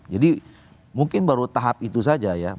jadi mungkin baru tahap itu saja ya